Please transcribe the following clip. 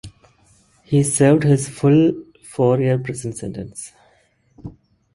He served his full four-year prison sentence.